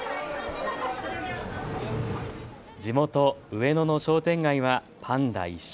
地元、上野の商店街はパンダ一色。